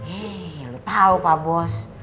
eh lu tahu pak bos